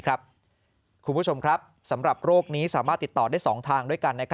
คุณผู้ชมครับสำหรับโรคนี้สามารถติดต่อได้๒ทางด้วยกัน